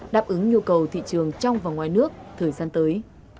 đáp ứng nhu cầu thị trường trong và ngoài nước thời gian tới